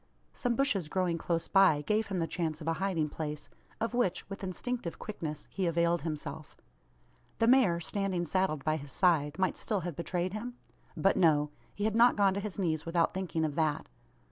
Some bushes growing close by gave him the chance of a hiding place; of which, with instinctive quickness, he availed himself. The mare, standing saddled by his side, might still have betrayed him? But, no. He had not gone to his knees, without thinking of that.